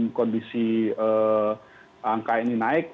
kemudian kondisi angka ini naik